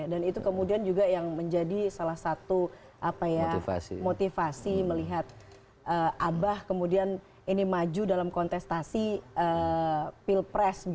dan itu kemudian juga yang menjadi salah satu motivasi melihat abah kemudian ini maju dalam kontestasi pilpres